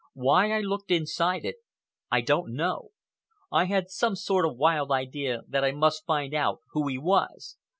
Why I looked inside it I don't know. I had some sort of wild idea that I must find out who he was.